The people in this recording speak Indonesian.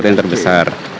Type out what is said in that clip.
saat yang terbesar